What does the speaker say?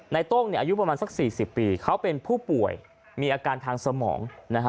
โต้งอายุประมาณสัก๔๐ปีเขาเป็นผู้ป่วยมีอาการทางสมอง